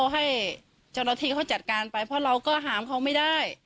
ให้เจ้าหน้าที่เขาจัดการไปเพราะเราก็หามเขาไม่ได้